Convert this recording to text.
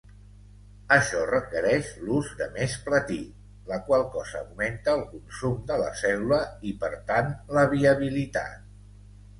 Això requereix l'ús de més platí, la qual cosa augmenta el consum de la cèl·lula i, per tant, la viabilitat.